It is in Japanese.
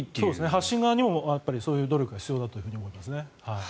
発信側にもそういう努力が必要だと思います。